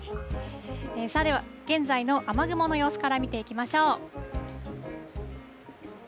では、現在の雨雲の様子から見ていきましょう。